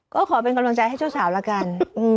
ก็ขอเป็นกำลังใจให้เจ้าสาวละกัน